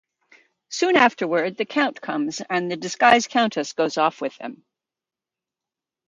Soon afterward the Count comes, and the disguised Countess goes off with him.